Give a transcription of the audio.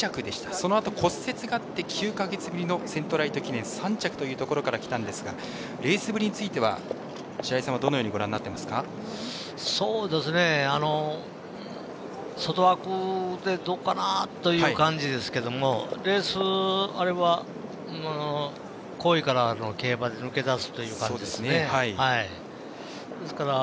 そのあと骨折があって９か月ぶりのセントライト記念３着というところからきたんですがレースぶりについては白井さんは外枠で、どうかなという感じですけれどレースがあれば怖いから抜け出すという感じですね。